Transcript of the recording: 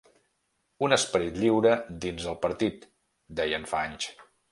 Un esperit lliure dins el partit, deien fa anys.